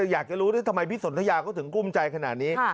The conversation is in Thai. อยากจะรู้ทำไมพี่สนทยาก็ถึงกุ้มใจขนาดนี้